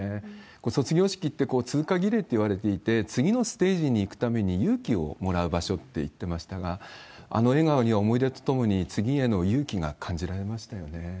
卒業しきって通過儀礼っていわれていて、次のステージに行くために勇気をもらう場所って言ってましたが、あの笑顔に思い出と共に、次への勇気が感じられましたよね。